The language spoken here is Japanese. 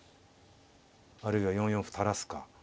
あるいは４四歩垂らすか。